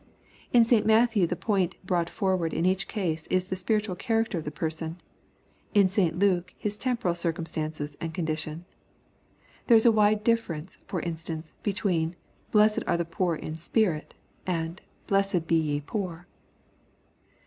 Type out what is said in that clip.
In St Matthew the pomt brought forward in each case is the spiritual character of the person, in St Luke his temporal circumstances and condition. There is a wide difference, for instance, between Blessed are the poor in spirit,'^ and " Blessed be ye poor."